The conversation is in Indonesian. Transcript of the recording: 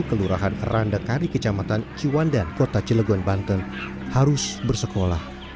kelurahan randakari kecamatan ciwandan kota cilegon banten harus bersekolah